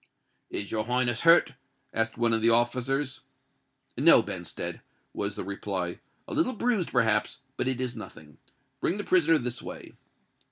"Is your Highness hurt?" asked one of the officers. "No, Benstead," was the reply: "a little bruised, perhaps—but it is nothing. Bring the prisoner this way."